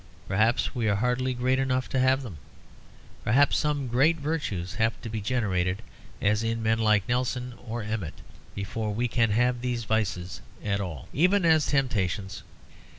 Perhaps we are hardly great enough to have them. Perhaps some great virtues have to be generated, as in men like Nelson or Emmet, before we can have these vices at all, even as temptations.